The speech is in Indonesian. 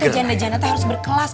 kita teh janda janda tuh harus berkelas